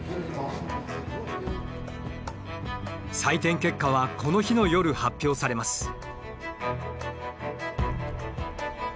採点結果はこの日の夜発表されます。